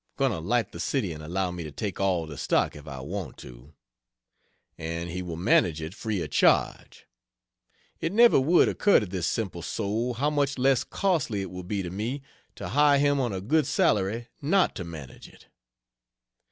Going to light the city and allow me to take all the stock if I want to. And he will manage it free of charge. It never would occur to this simple soul how much less costly it would be to me, to hire him on a good salary not to manage it.